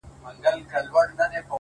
عاجزي د اړیکو ښکلا ده,